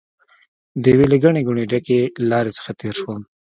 د یوې له ګڼې ګوڼې ډکې لارې څخه تېر شوم.